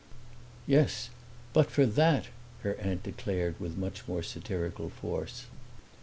"Yes, but for that!" her aunt declared with more satirical force.